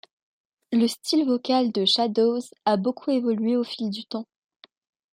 Le style vocal de Shadows a beaucoup évolué au fil du temps.